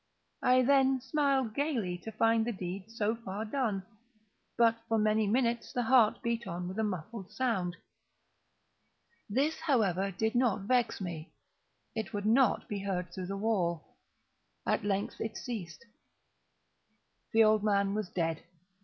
I then smiled gaily, to find the deed so far done. But, for many minutes, the heart beat on with a muffled sound. This, however, did not vex me; it would not be heard through the wall. At length it ceased. The old man was dead.